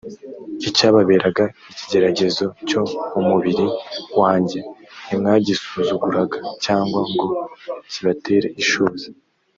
icyababeraga ikigeragezo cyo mu mubiri wanjye ntimwagisuzuguraga cyangwa ngo kibatere ishozi